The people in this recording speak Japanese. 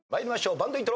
バンドイントロ。